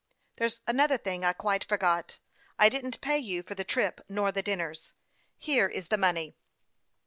" There's another thing I quite forgot ; I didn't pay you for the trip nor the dinners. Here is the money."